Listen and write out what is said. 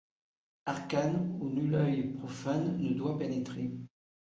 Arcane où nul œil profane ne doit pénétrer.